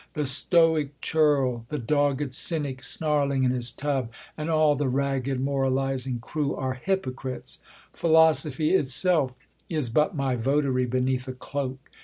The Stoie churl, The dogged cynic snarling in his tub, And all the ragged moralizing crew, Are hypocrites ; philosophy itself Is but my votary bene ath a cloak.